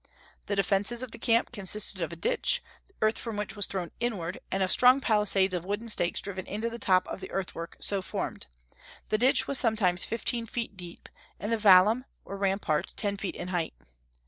The defences of the camp consisted of a ditch, the earth from which was thrown inward, and of strong palisades of wooden stakes driven into the top of the earthwork so formed; the ditch was sometimes fifteen feet deep, and the vallum, or rampart, ten feet in height.